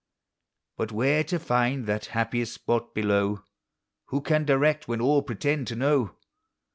••••• But where to find that happiest spot below, Who tan direct, when all pretend to know?